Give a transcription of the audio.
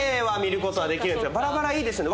『バラバラ』いいですね。